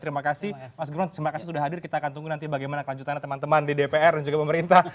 terima kasih mas gun terima kasih sudah hadir kita akan tunggu nanti bagaimana kelanjutannya teman teman di dpr dan juga pemerintah